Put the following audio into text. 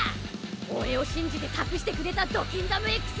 俺を信じて託してくれたドキンダムＸ。